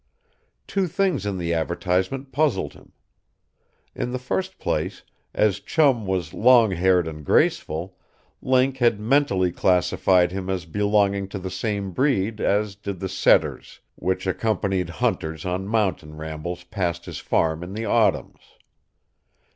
Two things in the advertisement puzzled him. In the first place, as Chum was longhaired and graceful, Link had mentally classified him as belonging to the same breed as did the setters which accompanied hunters on mountain rambles past his farm in the autumns.